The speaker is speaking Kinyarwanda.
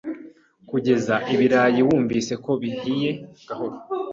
kugeza ibirayi wumvise ko bihiye gahoro.